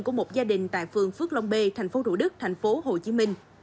của một gia đình tại phường phước long b tp hcm